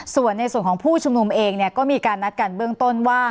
ส่วนในส่วนของผู้ชุมนุมเองก็มีการนัดกันเบื้องต้นว่า